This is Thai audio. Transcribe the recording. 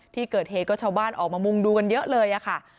ที่เกิดเหตุก็ชาวบ้านออกมามุ่งดูกันเยอะเลยค่ะ